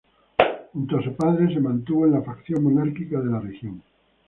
Junto a su padre se mantuvo en la facción monárquica de la región.